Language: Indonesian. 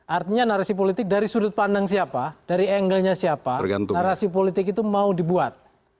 artinya narasi politik dari sudut pandang siapa dari angle nya siapa narasi politik itu mau dibuat